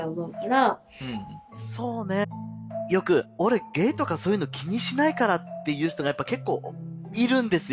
そうねよく「俺ゲイとかそういうの気にしないから」って言う人がやっぱ結構いるんですよ。